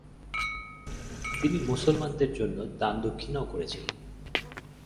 তিনি মুসলমানদের জন্য দান-দক্ষিণাও করেছিলেন।